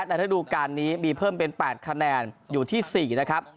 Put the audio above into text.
ระดูการนี้มีเพิ่มเป็น๘คะแนนอยู่ที่๔นะครับ